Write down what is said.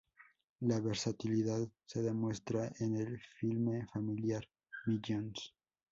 Su versatilidad se demuestra en el filme familiar "Millions".